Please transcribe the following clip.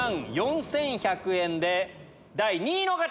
２万４１００円で第２位の方！